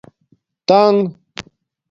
تنگ